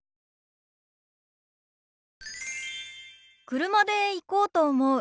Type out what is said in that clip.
車で行こうと思う。